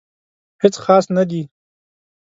هیڅ خاص نه دي